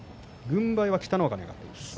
軍配は北の若に上がっています。